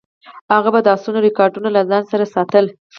هغه به د اسونو ریکارډونه له ځان سره ساتل.